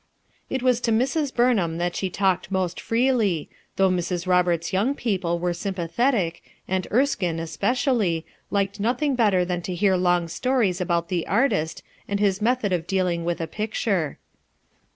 It was to Mrs. Rurnham that she talked most freely, though Mrs. Roberta's young people were sympathetic, and Erskinc, especially, liked nothing better than to hear long stories about the artist and his method of dealing with a picture.